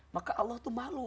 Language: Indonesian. maka allah tuh malu